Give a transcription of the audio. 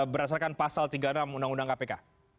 berdasarkan pasal tiga puluh enam undang undang kpk